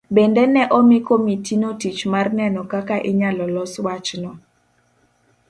Bende ne omi komitino tich mar neno kaka inyalo los wachno.